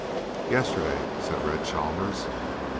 "Yesterday," said Red Chalmers.